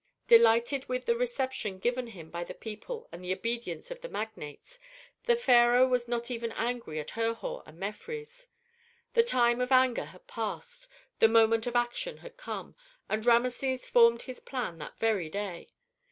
Delighted with the reception given him by the people and the obedience of magnates, the pharaoh was not even angry at Herhor and Mefres. The time of anger had passed, the moment of action had come, and Rameses formed his plan that very day.